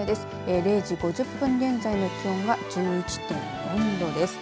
０時５０分現在の気温は１１．４度です。